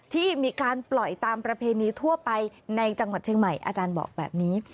ที่มีการปล่อยตามประเพณีทั่วไปในจังหวัดเชียงใหม่อาจารย์บอกแบบนี้